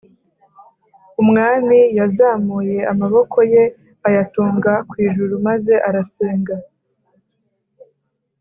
umwami yazamuye amaboko ye ayatunga ku ijuru maze arasenga